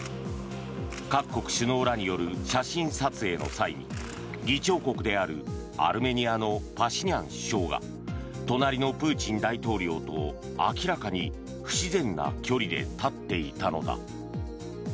各国首脳らによる写真撮影の際に議長国であるアルメニアのパシニャン首相が隣のプーチン大統領と明らかに不自然な距離で立っていたのだ。